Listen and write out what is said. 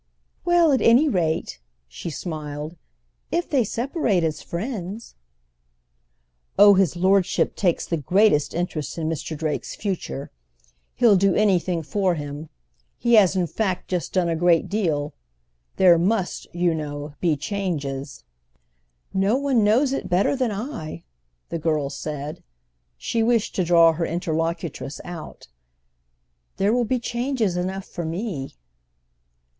"Well, at any rate," she smiled, "if they separate as friends—!" "Oh his lordship takes the greatest interest in Mr. Drake's future. He'll do anything for him; he has in fact just done a great deal. There must, you know, be changes—!" "No one knows it better than I," the girl said. She wished to draw her interlocutress out. "There will be changes enough for me."